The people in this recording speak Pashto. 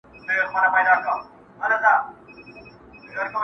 جاله وان ورباندي ږغ کړل ملاجانه!.